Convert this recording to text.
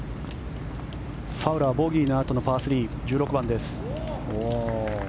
ファウラーボギーのあとのパー３１６番です。